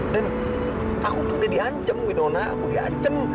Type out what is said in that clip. dan aku tuh udah di ancem widona aku di ancem